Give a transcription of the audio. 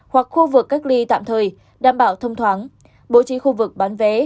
hoặc khu vực cách ly tạm thời đảm bảo thông thoáng bố trí khu vực bán vé